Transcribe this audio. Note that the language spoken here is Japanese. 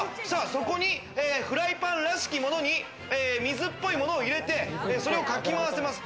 そこにフライパンらしきものに、水っぽいものを入れて、それをかき回します。